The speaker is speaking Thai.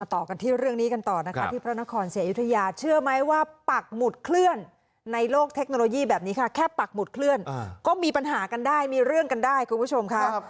ต่อกันที่เรื่องนี้กันต่อนะคะที่พระนครศรีอยุธยาเชื่อไหมว่าปักหมุดเคลื่อนในโลกเทคโนโลยีแบบนี้ค่ะแค่ปักหมุดเคลื่อนก็มีปัญหากันได้มีเรื่องกันได้คุณผู้ชมค่ะ